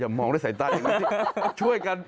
อย่ามองด้วยสายตาอย่างนี้ช่วยกัน